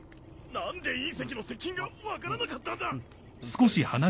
何で隕石の接近が分からなかったんだ？